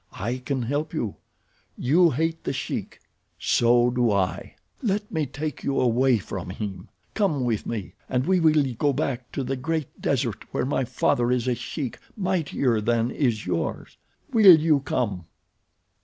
I can help you. You hate The Sheik—so do I. Let me take you away from him. Come with me, and we will go back to the great desert where my father is a sheik mightier than is yours. Will you come?"